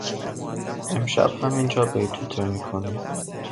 امشب همین جا بیتوته میکنیم.